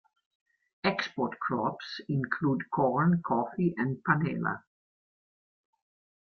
Export crops include corn, coffee and "panela".